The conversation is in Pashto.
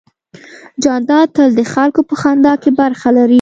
جانداد تل د خلکو په خندا کې برخه لري.